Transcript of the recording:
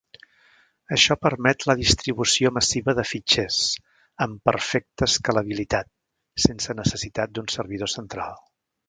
Això permet la distribució massiva de fitxers, en perfecta escalabilitat, sense necessitat d'un servidor central.